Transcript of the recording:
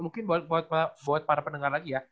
mungkin buat para pendengar lagi ya